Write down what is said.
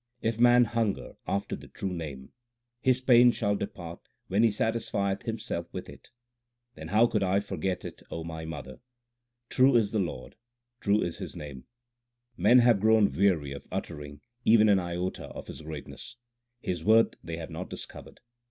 If man hunger after the true Name, His pain shall depart when he satisfieth himself with it. Then how could I forget it, O my mother ? True is the Lord, true is His name. Men have grown weary of uttering Even an iota of His greatness ; His worth they have not discovered.